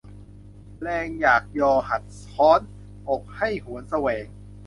แรงอยากยอหัตถ์ข้อน อกให้หวนแสวง